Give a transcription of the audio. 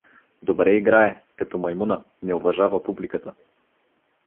— Добре играе — като маймуна, не уважава публиката.